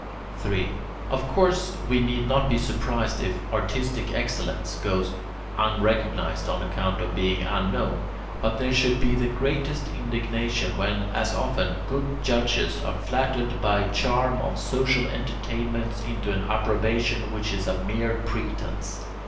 3. Of course, we need not be surprised if artistic excellence goes unrecognized on account of being unknown; but there should be the greatest indignation when, as often, good judges are flattered by the charm of social entertainments into an approbation which is a mere pretence.